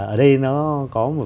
ở đây nó có một